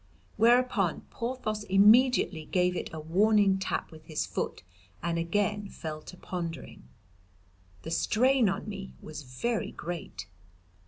Whereupon Porthos immediately gave it a warning tap with his foot, and again fell to pondering. The strain on me was very great.